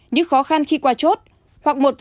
những khó khăn khi qua chốt